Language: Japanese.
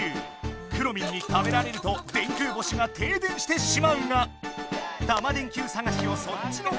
くろミンに食べられると電空星がてい電してしまうがタマ電Ｑさがしをそっちのけ！